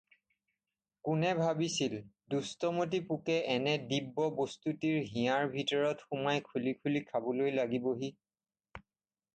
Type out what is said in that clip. কোনে ভাবিছিল, দুষ্টমতি পোকে এনে দিব্য বস্তুটিৰ হিয়াৰ ভিতৰত সোমাই খুলি খুলি খাবলৈ লাগিবহি?